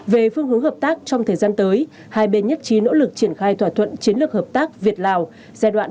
về phương hướng hợp tác trong thời gian tới hai bên nhất trí nỗ lực triển khai thỏa thuận chiến lược hợp tác việt lào